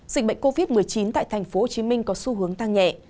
dịch bệnh covid một mươi chín tại tp hcm có xu hướng tăng nhẹ